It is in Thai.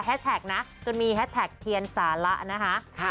นะจนมีแฮสแท็กเทียนสาระนะคะ